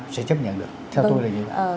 sẽ chấp nhận được theo tôi là như vậy